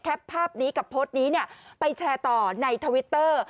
ภาพนี้กับโพสต์นี้ไปแชร์ต่อในทวิตเตอร์